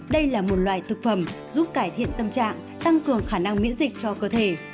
đây là một loại thực phẩm giúp cải thiện tâm trạng tăng cường khả năng miễn dịch cho cơ thể